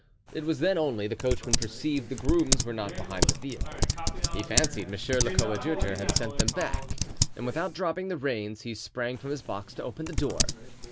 It was then only the coachman perceived the grooms were not behind the vehicle; he fancied monsieur le coadjuteur had sent them back, and without dropping the reins he sprang from his box to open the door.